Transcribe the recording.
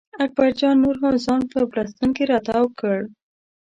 اکبر جان نور هم ځان په بړسټن کې را تاو کړ.